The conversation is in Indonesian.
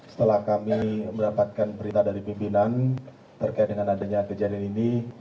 setelah kami mendapatkan perintah dari pimpinan terkait dengan adanya kejadian ini